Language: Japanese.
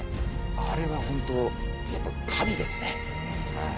あれは本当やっぱ神ですね。